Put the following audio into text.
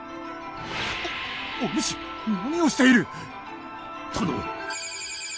おおぬし何をしている！？